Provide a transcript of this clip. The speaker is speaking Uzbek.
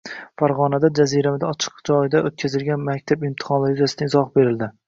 Farg‘onada jaziramada ochiq joyda o‘tkazilgan maktab imtihonlari yuzasidan izoh berildi